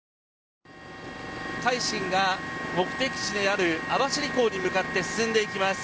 「海進」が目的地である網走港に向かって進んでいきます。